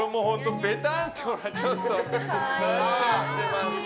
ベタンってなっちゃってます。